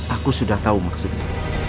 aku sudah tahu maksudnya